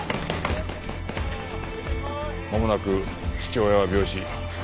まもなく父親は病死。